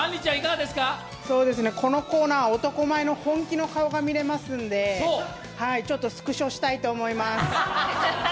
このコーナー、男前の本気の顔が見れますんでちょっとスクショしたいと思います。